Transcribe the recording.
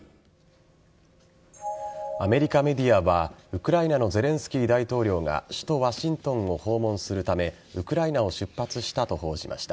アメリカメディアはウクライナのゼレンスキー大統領が首都・ワシントンを訪問するためウクライナを出発したと報じました。